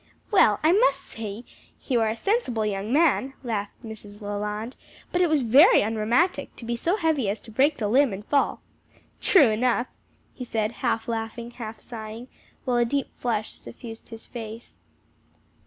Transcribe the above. "Well, I must say you are a sensible young man!" laughed Mrs. Leland; "but it was very unromantic to be so heavy as to break the limb and fall." "True enough!" he said, half laughing, half sighing, while a deep flush suffused his face.